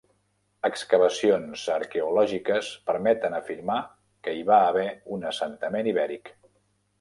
Excavacions arqueològiques permeten afirmar que hi va haver un assentament ibèric.